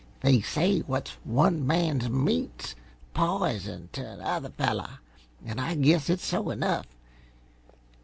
They say't 'What's one man's meat 's pizen t' the other feller,' and I guess it's so enough.